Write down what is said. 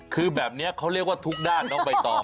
คือแบบนี้เขาเรียกว่าทุกด้านน้องใบตอง